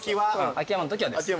秋山の時はです。